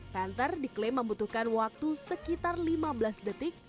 panther diklaim membutuhkan waktu sekitar lima belas detik